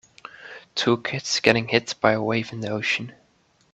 Two kids getting hit by a wave in the ocean